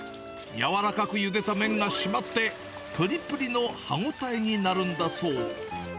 柔らかくゆでた麺が締まって、ぷりぷりの歯応えになるんだそう。